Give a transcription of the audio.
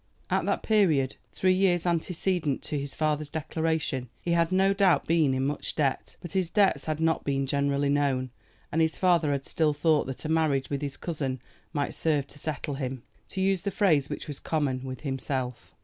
At that period, three years antecedent to his father's declaration, he had no doubt been much in debt, but his debts had not been generally known, and his father had still thought that a marriage with his cousin might serve to settle him to use the phrase which was common with himself.